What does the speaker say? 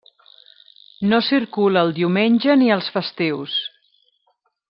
No circula el diumenge ni els festius.